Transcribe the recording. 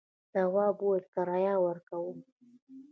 تواب وویل کرايه ورکوم.